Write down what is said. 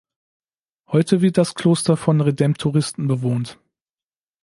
Heute wird das Kloster von Redemptoristen bewohnt.